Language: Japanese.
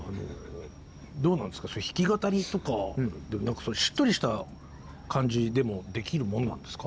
弾き語りとかしっとりした感じでもできるものなんですか？